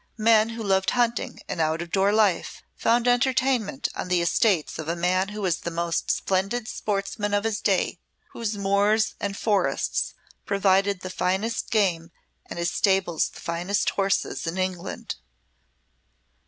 Men who loved hunting and out of door life found entertainment on the estates of a man who was the most splendid sportsman of his day, whose moors and forests provided the finest game and his stables the finest horses in England.